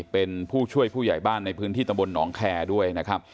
เป็นผู้ช่วยผู้ใหญ่บ้านในพื้นที่ตำบลหนองแคร์ด้วยนะครับ